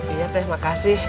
iya teh makasih